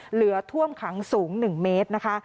เหลือท่วมขังสูง๑เมตรนะคะ